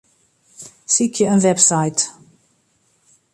Sykje in website.